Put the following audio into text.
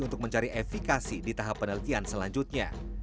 untuk mencari efekasi di tahap penelitian selanjutnya